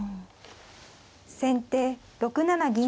先手６七銀。